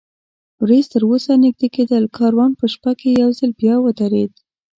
ورېځ تراوسه نږدې کېدل، کاروان په شپه کې یو ځل بیا ودرېد.